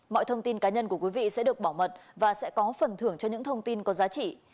mọi thông tin cá nhân của quý vị sẽ được bảo mật và sẽ có phần thưởng cho những thông tin có giá trị